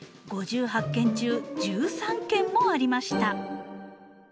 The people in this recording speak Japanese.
５８件中１３件もありました。